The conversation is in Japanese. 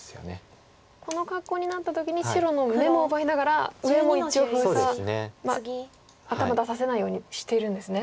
この格好になった時に白の眼も奪いながら上も一応封鎖頭出させないようにしてるんですね。